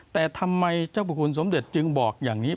แต่ทำไมเจ้าพระคุณสมเด็จจึงบอกอย่างนี้